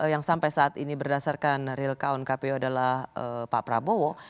yang sampai saat ini berdasarkan real count kpu adalah pak prabowo